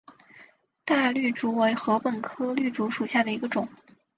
大绿竹为禾本科绿竹属下的一个种。